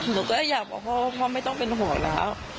หนูก็อยากบอกพ่อว่าพ่อไม่ต้องเป็นห่วงแล้ว